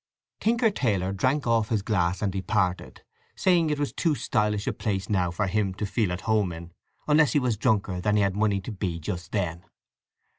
Tinker Taylor drank off his glass and departed, saying it was too stylish a place now for him to feel at home in unless he was drunker than he had money to be just then.